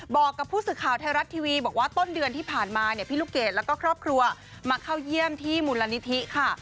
บอกกับผู้สื่อข่าวไทยรัฐทีวีบอกว่าต้นเดือนที่ผ่านมาเนี่ยพี่ลูกเกดแล้วก็ครอบครัวมาเข้าเยี่ยมที่มูลนิธิค่ะ